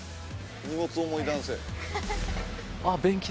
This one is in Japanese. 荷物重い男性。